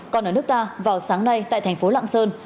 còn ở nước ta vào sáng nay tại thành phố lạng sơn